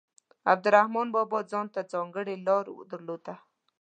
عبدالرحمان بابا ځانته ځانګړې لاره درلوده.